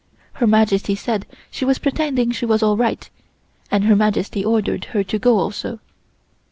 Her Majesty said she was pretending she was all right, and Her Majesty ordered her to go also.